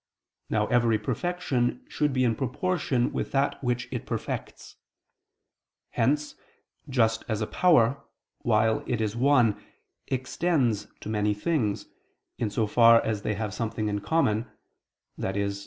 Now every perfection should be in proportion with that which it perfects. Hence, just as a power, while it is one, extends to many things, in so far as they have something in common, i.e.